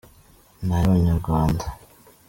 n’ay’abanyarwanda.”